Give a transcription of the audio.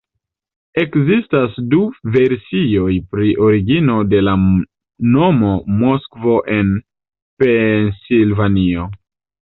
Ekzistas du versioj pri origino de la nomo Moskvo en Pensilvanio.